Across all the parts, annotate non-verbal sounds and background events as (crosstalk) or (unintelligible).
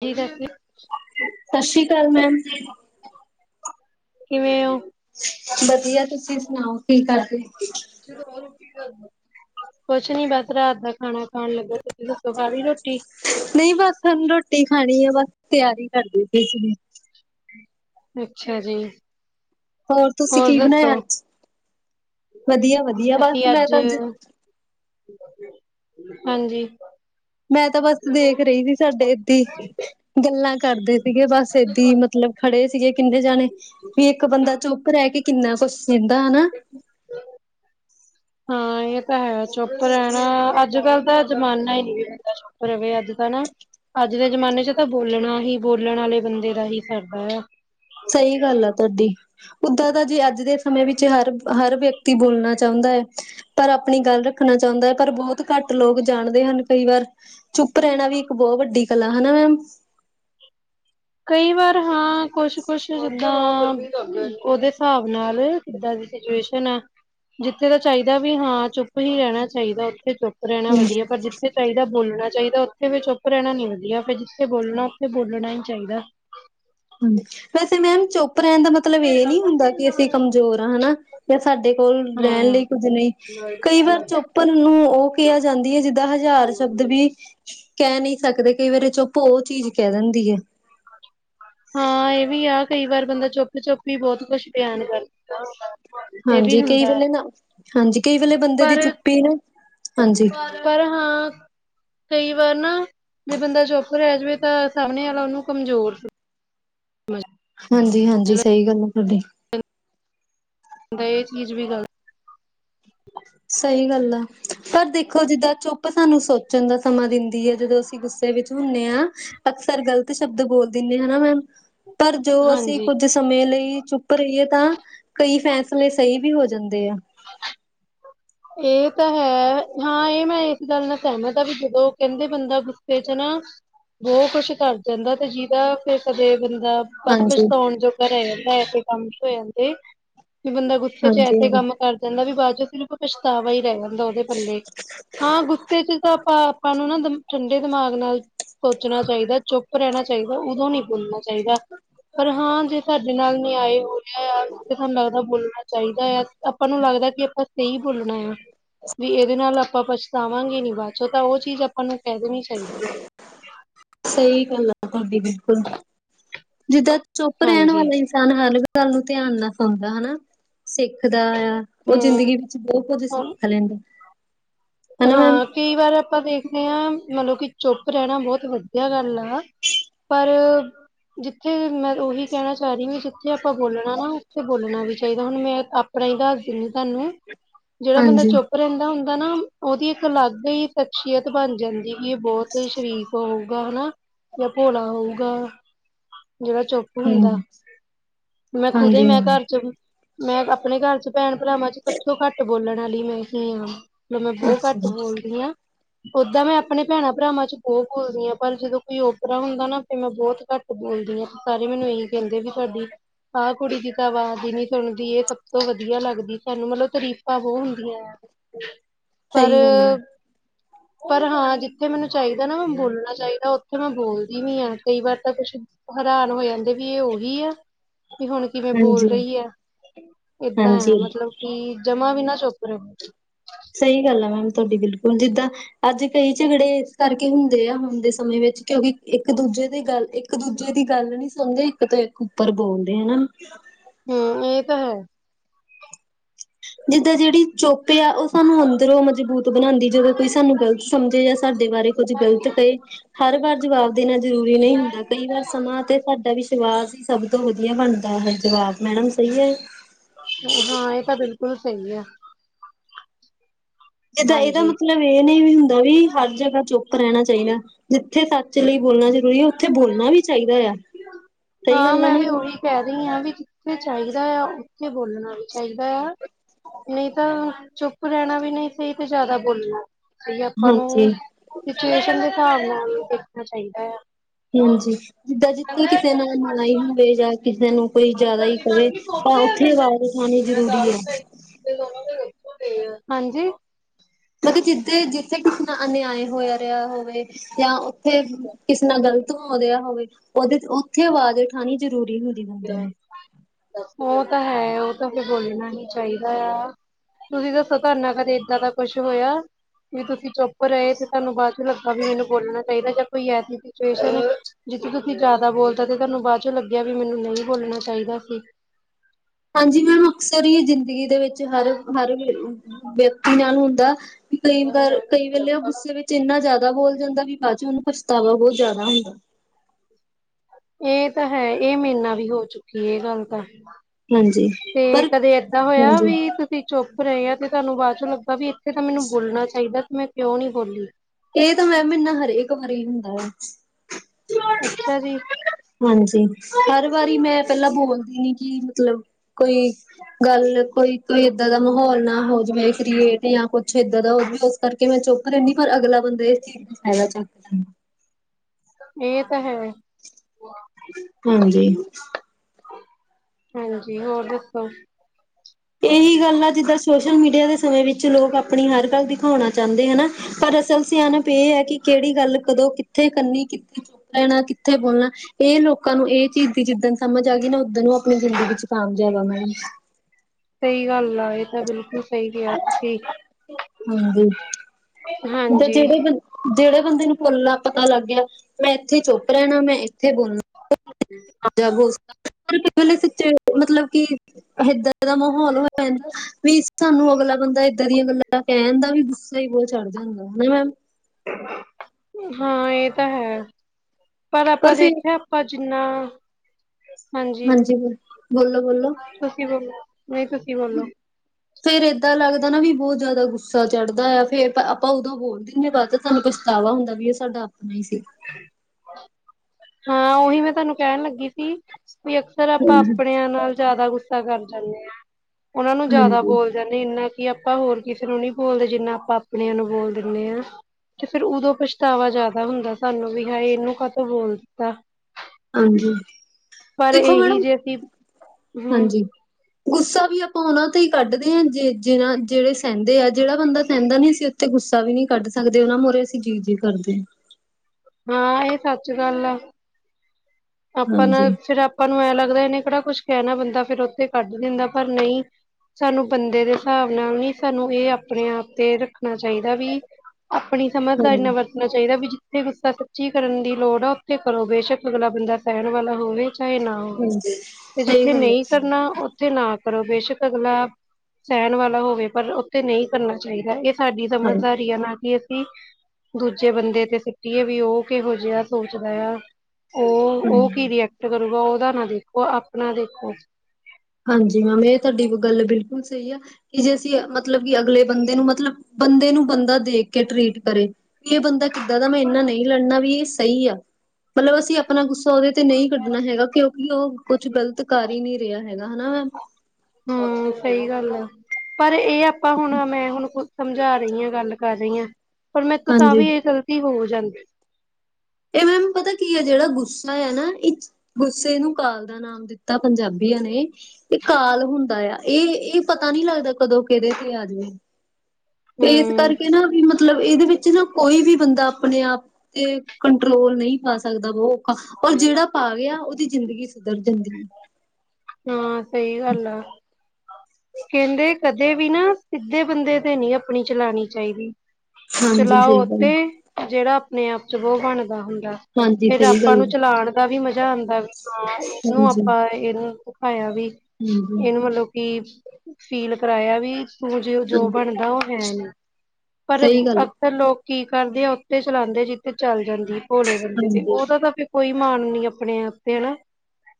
ਠੀਕ ਆ ਫਿਰ ਸਤਿ ਸ਼੍ਰੀ ਅਕਾਲ ਮੈਮ ਕਿਵੇਂ ਓ? ਵਧੀਆ, ਤੁਸੀਂ ਸੁਣਾਓ ਕੀ ਕਰਦੇ? ਕੁਛ ਨੀ ਬਸ ਰਾਤ ਦਾ ਖਾਣਾ ਖਾਣ ਲੱਗੇ, ਤੁਸੀਂ ਦੱਸੋ ਖਾਲੀ ਰੋਟੀ? ਨਹੀਂ, ਬਸ ਹੁਣ ਰੋਟੀ ਖਾਣੀ ਆ, ਬਸ ਤਿਆਰੀ ਕਰਦੀ ਪਈ ਸੀ। ਅੱਛਾ ਜੀ। ਹੋਰ ਤੁਸੀਂ ਕੀ ਬਣਾਇਆ ਅੱਜ, ਵਧੀਆ-ਵਧੀਆ ਬਸ ਮੈਂ ਤਾਂ ਅੱਜ ਹਾਂਜੀ। ਮੈਂ ਤਾਂ ਬਸ ਦੇਖ ਰਹੀ ਸੀ ਸਾਡੇ ਏਦੀ, ਗੱਲਾਂ ਕਰਦੇ ਸੀਗੇ ਬਸ ਏਦੀ ਮਤਲ ਮਤਲਬ ਖੜੇ ਸੀਗੇ ਕਿੰਨੇ ਜਾਣੇ, ਵੀ ਇੱਕ ਬੰਦਾ ਚੁੱਪ ਰਹਿ ਕੇ ਕਿੰਨਾ ਕੁਝ ਸਹਿੰਦਾ ਹਨਾ। ਹਾਂ ਇਹ ਤਾਂ ਹੈ ਚੁੱਪ ਰਹਿਣਾ, ਅੱਜ-ਕੱਲ ਦਾ ਜ਼ਮਾਨਾ ਹੀ ਨਹੀਂ। ਪਰ ਰਵੇ ਅੱਜ ਤਾਂ ਨਾ ਅੱਜ ਦੇ ਜਮਾਨੇ ਚ ਤਾਂ ਬੋਲਣਾ ਹੀ, ਬੋਲਣ ਵਾਲੇ ਬੰਦੇ ਦਾ ਹੀ ਫਾਇਦਾ ਆ। ਸਹੀ ਗੱਲ ਆ ਤੁਹਾਡੀ। ਓਦਾਂ ਤਾਂ ਜੇ ਅੱਜ ਦੇ ਸਮੇਂ ਵਿੱਚ ਹਰ-ਹਰ ਵਿਅਕਤੀ ਬੋਲਣਾ ਚਾਹੁੰਦਾ ਏ। ਪਰ ਆਪਣੀ ਗੱਲ ਰੱਖਣਾ ਚਾਹੁੰਦਾ ਏ, ਪਰ ਬਹੁਤ ਘੱਟ ਲੋਕ ਜਾਣਦੇ ਹਨ, ਕਈ ਵਾਰ ਚੁੱਪ ਰਹਿਣਾ ਵੀ ਇੱਕ ਬਹੁ ਵੱਡੀ ਕਲਾ, ਹਨਾ ਮੈਮ ਕਈ ਵਾਰ, ਹਾਂ ਕੁਛ-ਕੁਛ ਜਿੱਦਾਂ ਉਹਦੇ ਹਿਸਾਬ ਨਾਲ ਜਿੱਦਾਂ ਦੀ ਸਿਚੁਏਸ਼ਨ ਆ, ਜਿੱਥੇ ਤਾਂ ਚਾਹੀਦਾ ਵੀ ਹਾਂ ਚੁੱਪ ਹੀ ਰਹਿਣਾ ਚਾਹੀਦਾ ਜਿੱਥੇ ਚੁੱਪ ਰਹਿਣਾ ਹਾਂਜੀ ਵਧੀਆ, ਪਰ ਜਿੱਥੇ ਚਾਹੀਦਾ, ਬੋਲਣਾ ਚਾਹੀਦਾ ਉੱਥੇ ਵੀ ਚੁੱਪ ਰਹਿਣਾ ਨੀ ਵਧੀਆ, ਫਿਰ ਜਿੱਥੇ ਬੋਲਣਾ ਉੱਥੇ ਬੋਲਣਾ ਹੀ ਚਾਹੀਦਾ। ਹਾਂਜੀ, ਵੈਸੇ ਮੈਮ ਚੁੱਪ ਰਹਿਣ ਦਾ ਮਤ ਮਤਲਬ ਇਹ ਨੀ ਹੁੰਦਾ ਕਿ ਅਸੀਂ ਕਮਜ਼ੋਰ ਆ ਹਨਾ, ਜਾਂ ਸਾਡੇ ਕੋਲ ਰਹਿਣ ਲਈ ਹਾਂ। ਕੁੱਝ ਨਹੀਂ। ਕਈ ਵਾਰ ਚੁੱਪ ਨੂੰ ਉਹ ਕਿਹਾ ਜਾਂਦੀ ਐ, ਜਿੱਦਾਂ ਹਜ਼ਾਰ ਸ਼ਬਦ ਵੀ ਕਹਿ ਨੀ ਸਕਦੇ, ਕਈ ਵਾਰੀ ਚੁੱਪ ਉਹ ਚੀਜ਼ ਕਹਿ ਦਿੰਦੀ ਏ। ਹਾਂ ਇਹ ਵੀ ਆ, ਕਈ ਵਾਰ ਬੰਦਾ ਚੁੱਪ-ਚੁੱਪ ਈ ਬਹੁਤ ਕੁਛ ਬਿਆਨ ਕਰ ਦਿੰਦਾ ਹੁੰਦਾ। ਇਹ ਵੀ ਹਾਂਜੀ, ਕਈ ਵੇਲੇ ਨਾ, ਹਾਂਜੀ, ਕਈ ਵੇਲੇ ਬੰਦੇ ਦੀ ਚੁੱਪੀ ਨਾ, ਹਾਂਜੀ ਪਰ ਹਾਂ, ਕਈ ਵਾਰ ਨਾ ਜੇ ਬੰਦਾ ਚੁੱਪ ਰਹਿ ਜਵੇ ਤਾਂ ਸਾਹਮਣੇ ਵਾਲਾ ਉਹਨੂੰ ਕਮਜ਼ੋਰ ਸ ਹਾਂਜੀ-ਹਾਂਜੀ, ਸਹੀ ਗੱਲ ਆ ਥੋਡੀ। ਦਾ ਇਹ ਚੀਜ਼ ਵੀ ਗਲ ਸਹੀ ਗੱਲ ਆ, ਪਰ ਦੇਖੋ ਜਿੱਦਾਂ ਚੁੱਪ ਸਾਨੂੰ ਸੋਚ ਚੰਗਾ ਸਮਾਂ ਦਿੰਦੀ ਏ, ਜਦੋਂ ਅਸੀਂ ਗੁੱਸੇ ਵਿੱਚ ਹੁੰਨੇ ਆ, ਅਕਸਰ ਗਲਤ ਸ਼ਬਦ ਬੋਲ ਦਿੰਨੇ ਹਨਾ ਮੈਮ, ਪਰ ਜੋ ਅਸੀਂ ਹਾਂਜੀ। ਕੁੱਝ ਸਮੇਂ ਲਈ ਚੁੱਪ ਰਹੀਏ, ਤਾਂ ਕਈ ਫੈਸਲੇ ਸਹੀ ਵੀ ਹੋ ਜਾਂਦੇ ਆ। (inaudible) ਇਹ ਤਾਂ ਹੈ, ਹਾਂ ਇਹ ਮੈਂ ਇਸ ਗੱਲ ਨਾਲ ਸਹਿਮਤ ਹਾਂ, ਵੀ ਜਦੋਂ ਕਹਿੰਦੇ ਬੰਦਾ ਗੁੱਸੇ ਚ ਨਾ ਬਹੁ ਕੁਛ ਕਰ ਜਾਂਦਾ ਤੇ ਜਿਹਦਾ ਫਿਰ ਕਦੇ ਬੰਦਾ ਬੱਸ ਹਾਂਜੀ ਪੁਛਤਾਉਣ ਜੋਗਾ ਰਹਿ ਜਾਂਦਾ ਐੇ ਕੰਮ ਚ ਹੋ ਜਾਂਦੇ ਵੀ ਬੰਦਾ ਗੁੱਸੇ ਚ ਹਾਂਜੀ ਐਸੇ ਹਾਂਜੀ ਕੰਮ ਕਰ ਜਾਂਦਾ ਵੀ ਬਾਅਦ ਚ ਕੋਈ ਪਛਤਾਵਾ ਹੀ ਰਹਿ ਜਾਂਦਾ। ਦਾ ਉਹਦੇ ਪੱਲੇ ਹਾਂ ਗੁੱਸੇ ਚ ਤਾਂ ਆਪਾਂ ਆਪਾਂ ਨੂੰ ਠੰਡੇ ਦਿਮਾਗ ਨਾਲ ਸੋਚਣਾ ਚਾਹੀਦਾ ਚੁੱਪ ਰਹਿਣਾ ਚਾਹੀਦਾ ਉਦੋਂ ਨਹੀਂ ਬੁੱਲਣਾ ਚਾਹੀਦਾ। ਪਰ ਹਾਂ ਜੇ ਸਾਡੇ ਨਾਲ ਨਿਆਏ ਹੋ ਰਿਹਾ ਆ ਤੁਹਾਨੂੰ ਲੱਗਦਾ ਬੋਲਣਾ ਚਾਹੀਦਾ ਆ ਆਪਾਂ ਨੂੰ ਲੱਗਦਾ ਕਿ ਆਪਾਂ ਸਹੀ ਬੋਲਣਾ ਆ ਵੀ ਇਹਦੇ ਨਾਲ ਆਪਾਂ ਪਛਤਾਵਾਂਗੇ ਨੀ ਬਾਅਦ ਚੋਂ ਤਾਂ ਉਹ ਚੀਜ਼ ਆਪਾਂ ਨੂੰ ਕਹਿ ਦੇਣੀ ਚਾਹੀਦੀ ਹੈ। ਸਹੀ ਗੱਲ ਆ ਤੁਹਾਡੀ ਬਿਲਕੁਲ ਜਿੱਦਾਂ ਚੁੱਪ ਰਹਿਣ ਹਾਂਜੀ ਵਾਲਾ ਇਨਸਾਨ ਹਰ ਇੱਕ ਗੱਲ ਨੂੰ ਧਿਆਨ ਨਾ ਸੁਣਦਾ ਹਨਾ ਸਿੱਖ ਦਾ ਆ। ਉਹ ਹੂੰ ਜ਼ਿੰਦਗੀ ਵਿੱਚ ਬਹੁਤ ਕੁੱਝ ਸਿੱਖਾ ਲੈਂਦਾ। ਹਨਾ ਮੈਮ। ਹਾਂ ਕਈ ਵਾਰ ਆਪਾਂ ਦੇਖਦੇ ਹਾਂ ਮਤਲਬ ਕਿ ਚੁੱਪ ਰਹਿਣਾ ਬਹੁਤ ਵਧੀਆ ਗੱਲ ਆ। ਪਰ ਜਿੱਥੇ ਮੈਂ ਉਹੀ ਕਹਿਣਾ ਚਾਹ ਰਹੀ ਵੀ ਜਿੱਥੇ ਆਪਾਂ ਬੋਲਣਾ ਨਾ ਉੱਥੇ ਬੋਲਣਾ ਵੀ ਚਾਹੀਦਾ ਹੁਣ ਮੈਂ ਆਪ ਆਪਣਾ ਹੀ ਦੱਸ ਦਿੰਦੇ ਤੁਹਾਨੂੰ ਜਿਹੜਾ ਬੰਦਾ ਹਾਂਜੀ ਚੁੱਪ ਰਹਿੰਦਾ ਹੁੰਦਾ ਨਾ ਉਹਦੀ ਇੱਕ ਅਲੱਗ ਹੀ ਸ਼ਖਸੀਅਤ ਬਣ ਜਾਂਦੀ ਕਿ ਇਹ ਬਹੁਤ ਸ਼ਰੀਫ ਹੋਊਗਾ ਹਨਾ। (unintelligible) ਜਿਹੜਾ ਚੁਪ ਹੂੰ ਹੁੰਦਾ। ਮੈਂ ਖੁਦ ਹੀ ਹਾਂਜੀ ਮੈਂ ਘਰ ਹਾਂ ਚ ਮੈਂ ਆਪਣੇ ਘਰ ਚ ਭੈਣ ਭਰਾਵਾਂ ਚ ਸਭ ਤੋਂ ਘੱਟ ਬੋਲਣ ਵਾਲੀ ਮੈਂ ਹੀ ਆ ਵੀ ਮੈਂ ਬਹੁਤ ਘੱਟ ਅੱਛਾ ਬੋਲਦੀ ਹਾਂ। ਓਦਾਂ ਮੈਂ ਆਪਣੇ ਭੈਣਾਂ ਭਰਾਵਾਂ ਚ ਬਹੁਤ ਬੋਲਦੀ ਹਾਂ। ਪਰ ਜਦੋਂ ਕੋਈ ਓਪਰਾ ਹੁੰਦਾ ਨਾ ਫਿਰ ਮੈਂ ਬਹੁਤ ਘੱਟ ਬੋਲਦੀ ਆ। ਤੇ ਸਾਰੇ ਮੈਨੂੰ ਇਹੀ ਕਹਿੰਦੇ ਵੀ ਤੁਹਾਡੀ ਹਾਂ ਕੁੜੀ ਦੀ ਤਾਂ ਆਵਾਜ਼ ਹੀ ਨਹੀਂ ਸੁਣਦੀ ਇਹ ਸਭ ਤੋਂ ਵਧੀਆ ਲੱਗਦੀ ਸਾਨੂੰ ਮਤਲਬ ਤਰੀਫ ਬਹੁਤ ਹੁੰਦੀਆਂ ਆ। ਪਰ, ਸਹੀ ਗੱਲ ਹੈ। ਪਰ ਹਾਂ ਜਿੱਥੇ ਮੈਨੂੰ ਚਾਹੀਦਾ ਨਾ ਮੈਂ ਬੋਲਣਾ ਚਾਹੀਦਾ ਉੱਥੇ ਮੈਂ ਬੋਲਦੀ ਵੀ ਹਾਂ ਕਈ ਵਾਰ ਤਾਂ ਕੁਝ ਹੈਰਾਨ ਹੋ ਜਾਂਦੇ। ਇਹ ਉਹੀ ਆ ਵੀ ਹੁਣ ਕਿਵੇਂ ਬੋਲ ਹਾਂਜੀ ਰਹੀ ਆ ਏਦਾਂ ਹਾਂਜੀ ਆ ਮਤਲਬ ਕਿ ਜਮਾ ਵੀ ਨਾ ਚੁੱਪ ਰਹੋ। ਸਹੀ ਗੱਲ ਆ ਮੈਮ ਤੁਹਾਡੀ ਬਿਲਕੁਲ ਜਿੱਦਾਂ ਅੱਜ ਕਈ ਝਗੜੇ ਇਸ ਕਰਕੇ ਹੁੰਦੇ ਆ ਹੁਣ ਦੇ ਸਮੇਂ ਵਿੱਚ ਕਿਉਂਕਿ ਇੱਕ ਦੂਜੇ ਦੀ ਗੱਲ ਕਰਕੇ ਇੱਕ ਦੂਜੇ ਦੀ ਗੱਲ ਨੀ ਸੁਣਦੇ ਇੱਕ ਤੋਂ ਇੱਕ ਉੱਪਰ ਬੋਲਦੇ ਹਨਾ। ਹੂੰ ਇਹ ਤਾਂ ਹੈ। ਜਿੱਦਾਂ ਜਿਹੜੀ ਚੁੱਪ ਆ ਉਹ ਸਾਨੂੰ ਅੰਦਰੋਂ ਮਜ਼ਬੂਤ ਬਣਾਉਂਦੀ ਜਦੋਂ ਕੋਈ ਸਾਨੂੰ ਗ਼ਲਤ ਸਮਝੇ ਜਾਂ ਸਾਡੇ ਬਾਰੇ ਕੁੱਝ ਗ਼ਲਤ ਕਹੇ ਹਰ ਵਾਰ ਜਵਾਬ ਦੇਣਾ ਜ਼ਰੂਰੀ ਨਹੀਂ ਹੁੰਦਾ ਕਈ ਵਾਰ ਸਮਾਂ ਤੇ ਵਿਸ਼ਵਾਸ ਹੀ ਸਭ ਤੋਂ ਵਧੀਆ ਬਣਦਾ ਹੈ ਜਵਾਬ ਮੈਡਮ ਸਹੀ ਹੈ। ਹਾਂ ਇਹ ਤਾਂ ਬਿਲਕੁਲ ਸਹੀ ਹੈ। ਜਿੱਦਾਂ ਇਹਦਾ ਹਾਂਜੀ ਮਤਲਬ ਇਹ ਨਹੀਂ ਵੀ ਹੁੰਦਾ ਵੀ ਹਰ ਜਗ੍ਹਾ ਚੁੱਪ ਰਹਿਣਾ ਚਾਹੀਦਾ ਜਿਦਾ ਜਿੱਥੇ ਸੱਚ ਲਈ ਬੋਲਣਾ ਜ਼ਰੂਰੀ ਹੈ ਉੱਥੇ ਬੋਲਣਾ ਵੀ ਚਾਹੀਦਾ ਆ। ਸਹੀ ਹਾਂ ਗੱਲ ਹੈ ਮੈਂ ਨਾ ਵੀ ਉਹੀ ਕਹਿ ਰਹੀ ਹਾਂ ਵੀ ਜਿੱਥੇ ਚਾਹੀਦਾ ਆ ਉੱਥੇ ਬੋਲਣਾ ਵੀ ਚਾਹੀਦਾ ਆ। ਨਹੀਂ ਤਾਂ ਚੁੱਪ ਰਹਿਣਾ ਵੀ ਨਹੀਂ ਸਹੀ ਤੇ ਜ਼ਿਆਦਾ ਬੋਲਣਾ ਸੀ ਆਪਾਂ ਨੂੰ ਹਾਂਜੀ ਸਿਚੁਏਸ਼ਨ ਦੇ ਹਿਸਾਬ ਨਾਲ ਦੇਖਣਾ ਚਾਹੀਦਾ ਆ ਹਾਂਜੀ। ਜਿੱਦਾਂ ਜਿੱਥਾਂ ਕਿਸੇ ਨਾਲ ਨਈ ਹੋਵੇ ਜਾਂ ਕਿਸੇ ਨੂੰ ਕੋਈ ਜ਼ਿਆਦਾ ਹੀ ਕਵੇ ਤਾਂ ਉੱਥੇ ਹੀ ਆਵਾਜ ਉਠਾਣੀ ਜ਼ਰੂਰੀ ਹੈ। ਹਾਂਜੀ। ਮਤਲਬ ਜਿੱਦ ਜਿੱਥੇ ਕਿਸ ਅਨਿਆਏ ਹੋਇਆ ਰਿਹਾ ਹੋਵੇ ਜਾਂ ਉੱਥੇ ਕਿਸੇ ਨਾਲ ਗ਼ਲਤ ਹੋ ਰਿਹਾ ਹੋਵੇ ਉਹ ਉੱਥੇ ਆਵਾਜ਼ ਉਠਾਉਣੀ ਜ਼ਰੂਰੀ ਹੁੰਦੀ ਬੰਦੇ ਨੂੰ। ਉਹ ਤਾਂ ਹੈ ਉਹ ਤਾਂ ਫਿਰ ਬੋਲਣਾ ਹੀ ਚਾਹੀਦਾ ਆ। ਤੁਸੀਂ ਦੱਸੋ ਤੁਹਾਡਾ ਕਦੇ ਏਦਾਂ ਦਾ ਕੁਛ ਹੋਇਆ ਵੀ ਤੁਸੀਂ ਚੁੱਪ ਰਹੇ ਤੇ ਤੁਹਾਨੂੰ ਬਾਅਦ ਲੱਗਾ ਵੀ ਮੈਨੂੰ ਬੋਲਣਾ ਚਾਹੀਦਾ ਜਾਂ ਕੋਈ ਐ ਸਿਚੁਏਸ਼ਨ ਜਿੱਥੇ ਤੁਸੀਂ ਜ਼ਿਆਦਾ ਬੋਲਦੇ ਤੇ ਤੁਹਾਨੂੰ ਬਾਅਦ ਚੋਂ ਲੱਗਿਆ ਵੀ ਮੈਨੂੰ ਨਹੀਂ ਬੋਲਣਾ ਚਾਹੀਦਾ ਸੀ। ਹਾਂਜੀ ਮੈਮ ਅਕਸਰ ਹੀ ਜ਼ਿੰਦਗੀ ਦੇ ਵਿੱਚ ਹਰ ਹਰ ਵਿਅਕਤੀ ਨਾਲ ਹੁੰਦਾ। ਕਈ ਵਾਰ ਕਈ ਵੇਲੇ ਉਹ ਗੁੱਸੇ ਵਿੱਚ ਇੰਨਾ ਜ਼ਿਆਦਾ ਬੋਲ ਜਾਂਦਾ ਵੀ ਬਾਅਦ ਚ ਉਹਨ ਪਛਤਾਵਾ ਬਹੁਤ ਜ਼ਿਆਦਾ ਹੁੰਦਾ। ਇਹ ਤਾਂ ਹੈ। ਇਹ ਮੇਨਾ ਵੀ ਹੋ ਚੁੱਕੀ ਇਹ ਗੱਲ ਤਾਂ। ਹਾਂਜੀ ਤੇ ਪਰ ਕਦੇ ਏਦਾਂ ਹੋਇਆ ਹਾਂਜੀ ਵੀ ਸੀਂ ਚੁੱਪ ਰਹੇ ਆਾਂ ਤੇ ਤੁਹਾਨੂੰ ਬਾਅਦ ਚੋਂ ਲੱਗਦਾ ਵੀ ਇੱਥੇ ਤਾਂ ਮੈਨੂੰ ਬੋਲਣਾ ਚਾਹੀਦਾ ਤੇ ਮੈਂ ਕਿਉਂ ਨੀ ਬੋਲੀ ਇਹ ਤਾਂ ਮੈਂ ਮੇਰੇ ਨਾ ਹਰੇਕ ਵਾਰੀ ਹੁੰਦਾ ਆ। ਅੱਛਾ ਜੀ ਹਾਂਜੀ ਹਰ ਵਾਰੀ ਮੈਂ ਪਹਿਲਾਂ ਬੋਲਦੀ ਨੀ ਕਿ ਮਤਲਬ ਕੋਈ ਗੱਲ ਕੋਈ ਕੋਈ ਇੱਦਾਂ ਦਾ ਮਾਹੌਲ ਨਾ ਹੋ ਜਾਵੇ ਕ੍ਰੀਏਟ ਜਾਂ ਕੁੱਛ ਇੱਦਾਂ ਦਾ ਹੋ ਵੀ ਹੋ। ਕਰਕੇ ਮੈਂ ਚੁੱਪ ਰਹਿੰਦੀ ਪਰ ਅਗਲਾ ਬੰਦਾ ਇਹ ਚੀਜ਼ ਫੈਦਾ ਚੁੱਕਦਾ ਇਹ ਤਾਂ ਹੈ। ਹਾਂਜੀ। ਹਾਂਜੀ ਹੋਰ ਦੱਸੋ? ਇਹੀ ਗੱਲ ਆ ਜਿੱਦਾਂ ਸੋਸ਼ਲ ਮੀਡੀਆ ਦੇ ਸਮੇਂ ਵਿੱਚ ਲੋਕ ਆਪਣੀ ਹਰ ਗੱਲ ਦਿਖਾਉਣਾ ਚਾਹੁੰਦੇ ਹਨਾ ਪਰ ਅਸਲ ਸਿਆਨਪ ਇਹ ਹੈ ਕਿ ਕਿਹੜੀ ਗੱਲ ਕਦੋਂ ਕਿੱਥੇ ਕਰਨੀ ਕਿੱਥੇ ਚੁੱਪ ਰੈਣਾ ਕਿੱਥੇ ਬੋਲਣਾ ਇਹ ਲੋਕਾਂ ਨੂੰ ਇਹ ਚੀਜ਼ ਦੀ ਜਿੱਦਣ ਸਮਝ ਆ ਗਈ ਨਾ ਉੱਦਣ ਆਪਣੀ ਜ਼ਿੰਦਗੀ ਚ ਕਾਮ ਜਾ ਮੈ। ਸਹੀ ਗੱਲ ਆ ਇਹ ਬਿਲਕੁਲ ਸਹੀ ਕਿਹਾ ਤੁਸੀਂ ਹਾਂਜੀ ਤੇ ਹਾਂਜੀ ਜਿਹੜੇ ਜਿਹੜੇ ਬੰਦੇ ਨੂੰ ਭੁੱਲਲਾ ਪਤਾ ਲੱਗ ਗਿਆ ਮੈਂ ਇੱਥੇ ਚੁੱਪ ਰਹਿਣਾ ਮੈਂ ਇੱਥੇ ਬੋਲਣਾ (inaudible) ਬ ਮਤਲਬ ਕਿ ਹਿੱਦਾਂ ਦਾ ਮਾਹੌਲ ਹੋ ਪੈਦਾ ਵੀ ਸਾਨੂੰ ਅਗਲਾ ਬੰਦਾ ਏਦਾਂ ਦੀਆਂ ਗੱਲਾਂ ਕਹਿਣ ਦਾ ਵੀ ਗੁੱਸਾ ਹੀ ਬਹੁਤ ਚੜ ਜਾਂਦਾ ਹਨਾ ਮੈ ਹਾਂ ਹਾਂ ਇਹ ਤਾਂ ਹੈ ਪਰ ਆਪਾਂ ਦੇਖਿਆ ਆਪਾਂ ਜਿੰਨਾ ਹਾਂਜੀ ਬੋਲੋ ਬੋਲੋ ਤੁਸੀਂ ਬੋਲੋ ਨਹੀਂ ਤੁਸੀਂ ਬੋਲੋ ਫੇਰ ਏਦਾਂ ਲੱਗਦਾ ਨਾ ਵੀ ਬਹੁਤ ਜ਼ਿਆਦਾ ਗੁੱਸਾ ਚੜ੍ਹਦਾ ਆ ਫੇਰ ਆਪਾਂ ਉਦੋਂ ਬੋਲ ਦਿੰਦੇ ਬਾਦ ਸਾਨੂੰ ਪਛਤਾਵਾ ਹੁੰਦਾ ਵੀ ਉਹ ਸਾਡਾ ਆਪਣਾ ਹੀ ਸੀ। ਹਾਂ ਉਹੀ ਮੈਂ ਤੁਹਾਨੂੰ ਕਹਿਣ ਲੱਗੀ ਸੀ। ਵੀ ਅਕਸਰ ਆਪਾਂ ਹਾਂਜੀ ਆਪਣਿਆਂ ਨਾਲ ਜਿਆਦਾ ਗੁੱਸਾ ਕਰ ਜਾਂਦੇ ਹਾਂ ਉਹਨਾ ਨੂੰ ਜਿਆਦਾ ਹਾਂਜੀ ਬੋਲ ਇੰਨਾ ਕਿ ਆਪਾਂ ਹੋਰ ਕਿਸੇ ਨੂੰ ਨਹੀਂ ਬੋਲਦੇ ਜਿੰਨਾ ਆਪਾਂ ਆਪਣਿਆਂ ਨੂੰ ਬੋਲ ਦਿੰਦੇ ਹਾਂ ਤੇ ਫੇਿਰ ਉਦੋਂ ਪਛਤਾਵਾ ਜ਼ਿਆਦਾ ਹੁੰਦਾ ਸਾਨੂੰ ਵੀ ਹਾ ਏ ਇਹਨੂੰ ਕਾਤੋਂ ਬੋਲ ਦਿੱਤਾ ਹਾਂਜੀ। ਪਰ ਦੇਖੋ ਇਹੀ ਮੈਡਮ ਜੇ ਅਸੀਂ ਹਮ ਹਾਂਜੀ। ਗੁੱਸਾ ਵੀ ਆਪਾਂ ਉਹਨਾਂ ਤੋਂ ਹੀ ਕੱਢਦੇ ਹਾਂ। ਜੇ ਜਿਹਨਾ ਜਿਹੜੇ ਸਹਿੰਦੇ ਆ ਜਿਹੜਾ ਬੰਦਾ ਸਹਿੰਦਾ ਨੀ ਅ ਤੇ ਗੁੱਸਾ ਵੀ ਨਹੀਂ ਕੱਢ ਸਕਦੇ ਉਹਨਾਂ ਮੁਹਰੇ ਅਸੀਂ ਜੀਅ ਜੀ ਕਰਦੇ। ਹਾਂ ਇਹ ਸੱਚ ਗੱਲ ਆ। ਆਪਾਂ ਨਾ ਹਾਂਜੀ। ਫੇਰ ਆਪਾਂ ਨੂੰ ਐਂ ਲੱਗਦਾ ਇਹਨੇ ਕਿਹੜਾ ਕੁਛ ਕਹਿਣਾ ਬੰਦਾ ਫਿਰ ਉੱਥੇ ਕੱਢ ਦਿੰਦਾ ਪਰ ਨਹੀਂ ਸਾਨੂੰ ਬੰਦੇ ਦੇ ਹਿਸਾਬ ਨਾਲ ਨੀ ਸਾਨੂੰ ਇਹ ਆਪਣੇ ਆਪ ਤੇ ਰੱਖਣਾ ਚਾਹੀਦਾ ਵੀ ਆਪਣੀ ਸਮਝਦਾਰੀ ਨਾਲ ਹਾਂਜੀ ਵਰਤ ਣਾ ਚਾਹੀਦਾ ਵੀ ਜਿੱਥੇ ਗੁੱਸਾ ਸੱਚੀ ਕਰਨ ਦੀ ਲੋੜ ਆ ਉੱਥੇ ਕਰੋ ਬੇਸ਼ੱਕ ਅਗਲਾ ਬੰਦਾ ਸਹਿਣ ਵਾਲਾ ਹੋਵੇ ਚਾਏ ਨਾ ਹੋ ਹਾਂਜੀ ਤੇ ਸਹੀ ਜਿੱਥੇ ਗੱਲ ਹੈ ਨਹੀਂ ਕਰਨਾ ਊ ਉੱਥੇ ਨਾ ਕਰੋ ਬੇਸ਼ੱਕ ਅਗਲਾ ਸਹਿਣ ਵਾਲਾ ਹੋਵੇ ਪਰ ਉੱਥੇ ਨਹੀਂ ਕਰਨਾ ਚਾਹੀਦਾ ਇਸ ਸਾਡੀ ਹਾਂਜੀ ਸਮਝਦਾਰੀ ਆ ਨਾ ਕਿ ਦੂਜੇ ਬੰਦੇ ਤੇ ਸੁਟੀਏ ਵੀ ਉਹ ਕਿਹੋ ਜਿਹਾ ਸੋਚਦਾ ਆ ਉਹ ਉਹ ਕੀ ਹਾਂਜੀ। ਰਿਐਕਟ ਕਰੂਗਾ ਉਹਦਾ ਨਾ ਦੇਖੋ ਆਪਣਾ ਦੇਖੋ ਹਾਂਜੀ ਮੈਮ ਇਹ ਤੁਹਾਡੀ ਗੱਲ ਬਿਲਕੁਲ ਸਹੀ ਆ ਕਿ ਜੇ ਅਸੀਂ ਮਤਲਬ ਕਿ ਅਗਲੇ ਬੰਦੇ ਨੂੰ ਮਤਲਬ ਬੰਦੇ ਨੂੰ ਬੰਦਾ ਦੇਖ ਕੇ ਟ੍ਰਰੀਟ ਕਰੇ ਵੀ ਇਹ ਬੰਦਾ ਕਿੱਦਾਂ ਦਾ ਮੈਂ ਇੰਨਾ ਨਹੀਂ ਲੜਨਾ ਵੀ ਇਹ ਸਹੀ ਆ, ਮਤਲਬ ਅਸੀਂ ਆਪਣਾ ਗੁੱਸਾ ਉਹਦੇ ਤੇ ਨਹੀਂ ਕੱਢਣਾ ਹੈਗਾ, ਕਿਉਂਕਿ ਉਹ ਕੁਛ ਗ਼ਲਤ ਕਰ ਹੀ ਨਹੀਂ ਰਿਹਾ ਹੈਗਾ ਹਨਾ ਹਮ, ਸਹੀ ਗੱਲ ਆ ਪਰ ਇਹ ਆਪਾਂ ਹੁਣ ਮੈਂ ਹੁਣ ਕੁ ਸਮਝਾ ਰਹੀ ਹਾਂ ਗੱਲ ਕਰ ਰਹੀ ਹਾਂ, ਪਰ ਮੇਰੇ ਤੋਂ ਤਾਂ ਹਾਂਜੀ। ਵੀ ਇਹ ਗੱਲ ਹੋ ਜਾਂਦੀ ਇਹ ਮੈਮ ਪਤਾ ਕੀ ਹੈ ਜਿਹੜਾ ਗੁੱਸਾ ਹੈ ਨਾ, ਇਹ ਗੁੱਸੇ ਨੂੰ ਕਾਲ ਦਾ ਨਾਮ ਦਿੱਤਾ ਪੰਜਾਬੀਆਂ ਨੇ ਇਹ ਕਾਲ ਹੁੰਦਾ ਆ ਇਹ-ਇਹ ਪਤਾ ਨੀ ਲੱਗਦਾ, ਕਦੋਂ ਕਿਹਦੇ ਤੇ ਆ ਜਾਵੇ ਤੇ ਇਸ ਹੂੰ ਕਰਕੇ ਨਾ ਵੀ ਮਤਲਬ ਇਹਦੇ ਵਿੱਚ ਨਾ ਕੋਈ ਵੀ ਬੰਦਾ ਆਪਣੇ ਆਪ ਤੇ ਕੰਟਰੋਲ ਨਹੀਂ ਪਾ ਸਕਦਾ ਬਹੁ ਔਰ ਜਿਹੜਾ ਪਾ ਗਿਆ, ਉਹਦੀ ਜ਼ਿੰਦਗੀ ਸੁਧਰ ਜਾਂਦੀ ਹੈ ਹਾਂ ਸਹੀ ਗੱਲ ਆ ਕਹਿੰਦੇ ਕਦੇ ਵੀ ਨਾ ਸਿੱਧੇ ਬੰਦੇ ਤੇ ਨਹੀ ਆਪਣੀ ਚਲਾਉਣੀ ਚਾਹੀਦੀ ਹਾਂਜੀ ਚਲਾਓ ਸਹੀ ਗੱਲ ਹੈ, ਉੱਥੇ, ਜਿਹੜਾ ਆਪਣੇ ਆਪ ਚ ਬੋ ਬਣਦਾ ਹੁੰਦਾ ਹਾਂਜੀ ਫੇਰ ਸਹੀ ਆਪਾਂ ਗੱਲ ਨੂੰ ਹੈ, ਚਲਾਉਣ ਦਾ ਵੀ ਮਜ਼ਾ ਆਉਂਦਾ ਹਾਂ ਇਹਨੂੰ ਹਾਂਜੀ ਆਪਾਂ ਇਹਨੂੰ ਦਿਖਾਇਆ ਵੀ ਹਾਂਜੀ ਇਹਨੂੰ ਮਤਲਬ ਕਿ ਫੀਲ ਕਰਾਇਆ ਵੀ ਤੂੰ ਜੇ ਜੋ ਹਾਂਜੀ ਬਣਦਾ ਉਹ ਹੈ ਨੀ ਪਰ ਸਹੀ ਗੱਲ ਹੈ, ਫਰ ਲੋਕ ਕੀ ਕਰਦੇ ਆ ਉੱਥੇ ਚਲਾਉਦੇ ਜਿੱਥੇ ਚੱਲ ਜਾਂਦੀ ਭੋਲੇ ਜਾਂਦੇ ਤੇ, ਹਾਂਜੀ ਉਹਦਾ ਤਾਂ ਫ ਕੋਈ ਮਾਣ ਨੀ ਆਪਣੇ ਆਪ ਤੇ ਹਨਾ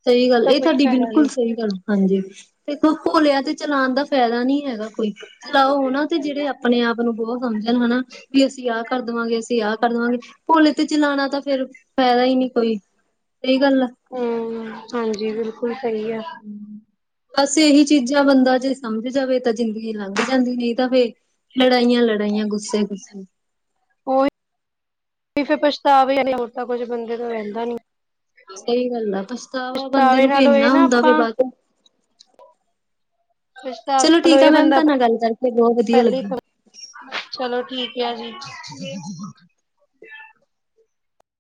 ਸਹੀ ਗੱਲ ਉਹਦਾ ਇਹ ਕੋਈ ਤੁਹਾਡੀ ਫਾਇਦਾ ਨੀ ਬਿਲਕੁਲ ਸਹੀ ਗੱਲ, ਹਾਂਜੀ ਦੇਖੋ ਭੋਲਿਆਂ ਤੇ ਚਲਾਉਣ ਦਾ ਫ਼ਾਇਦਾ ਨਹੀਂ ਹੈਗਾ। ਕੋਈ ਚਲਾਓ ੳਹਨਾ ਤੇ ਜਿਹੜੇ ਅਪ ਆਪਣੇ ਆਪ ਨੂੰ ਬਹੁਤ ਸਮਝਣ ਹਨਾ, ਵੀ ਅਸੀਂ ਆਹ ਕਰ ਦੇਵਾਂਗੇ ਅਸੀਂ ਆਹ ਕਰ ਦੇਵਾਂਗੇ ਭੋਲੇ ਤੇ ਚਲਾਣਾ ਤਾਂ ਫੇਰ ਫਾਇਦਾ ਹੀ ਨਹੀਂ ਕੋਈ, ਸਹੀ ਗੱਲ ਆ। ਹਮਮਮ ਹਾਂਜੀ, ਬਿਲਕੁਲ ਸਹੀ ਆ। ਬਸ ਇਹੀ ਚੀਜ਼ਾਂ ਬੰਦਾ ਜੇ ਸਮਝ ਜਾਵੇ ਤਾਂ ਜ਼ਿੰਦਗੀ ਲੰਘ ਜਾਂਦੀ ਨਹੀਂ ਤਾਂ ਫੇਰ ਲੜਾਈਆਂ-ਲੜਾਈਆਂ, ਗੁੱਸੇ-ਗੁੱਸੇ ਉਹੀ ਫਿਰ ਪਛਤਾਵੇ ਹੋਰ ਤਾਂ ਕੁੱਝ ਬੰਦੇ ਤੋਂ ਰਹਿੰਦਾ ਨੀ ਸਹੀ ਗੱਲ ਆ, ਪਛਤਾਵਾ ਬੰਦੇ ਪਛਤਾਵੇ ਨੂੰ ਵੀ ਨਾਲੋਂ ਇਹ ਇੰਨਾ ਨਾ ਹੁੰਦਾ ਵੀ ਆਪਾਂ ਵਾਹਧ ਕੁਛ ਤਾਂ ਚਲੋ ਠੀਕ ਆ ਇਹ ਮੈਮ ਬੰਦਾ ਤੁਹਾਡੇ ਨਾਲ ਗੱਲ ਕਰਕੇ ਬਹੁਤ ਵਧੀਆ ਪਹਿਲੀ ਲੱਗਾ ਚਲੋ ਠੀਕ ਆ ਜੀ